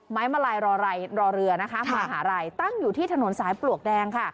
มาลัยรอเรือนะคะมหาลัยตั้งอยู่ที่ถนนสายปลวกแดงค่ะ